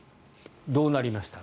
どうなりましたか。